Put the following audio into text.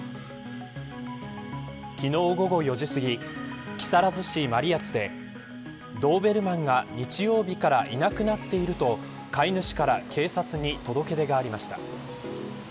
昨日午後４時すぎ木更津市真里谷でドーベルマンが日曜日からいなくなっていると飼い主から警察に届け出がありました。